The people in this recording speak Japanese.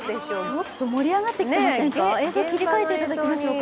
ちょっと盛り上がってきてませんか？